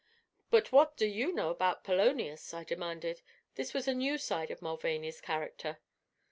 "But what do you know about Polonius?" I demanded. This was a new side of Mulvaney's character.